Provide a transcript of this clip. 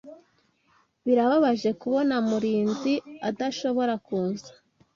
Birababaje kubona Murinzi adashobora kuza.